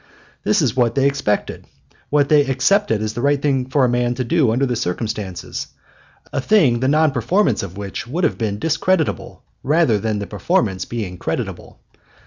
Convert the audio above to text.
This was what they expected, what they accepted as the right thing for a man to do under the circumstances, a thing the non performance of which would have been discreditable rather than the performance being creditable.